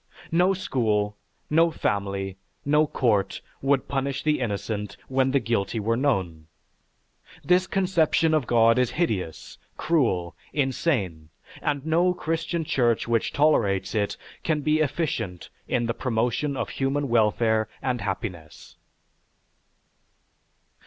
No school, no family, no court, would punish the innocent when the guilty were known. This conception of God is hideous, cruel, insane, and no Christian church which tolerates it can be efficient in the promotion of human welfare and happiness.